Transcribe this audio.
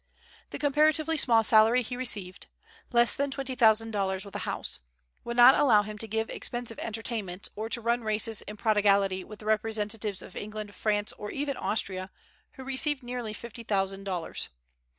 The comparatively small salary he received, less than twenty thousand dollars, with a house, would not allow him to give expensive entertainments, or to run races in prodigality with the representatives of England, France, or even Austria, who received nearly fifty thousand dollars.